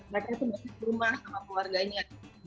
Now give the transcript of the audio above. mereka itu masih di rumah sama keluarganya